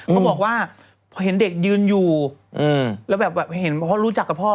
เขาบอกว่าเฮ้นเด็กยืนอยู่เพื่อรู้จักกับพ่อ